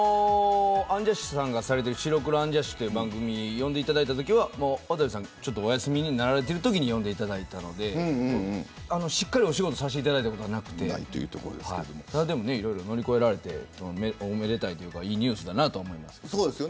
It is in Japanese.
アンジャッシュさんがされている白黒アンジャッシュという番組に呼んでいただいたときは渡部さんがお休みになられていたときだったのでしっかりお仕事させていただいたことはなくていろいろ乗り越えられておめでたいというかいいニュースだと思います。